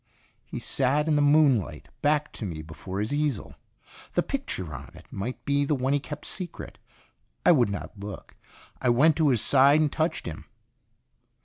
He sat in the moonlight, back to me before his easel. The picture on it might be the one he kept secret. I would not look. I went to his side and touched him.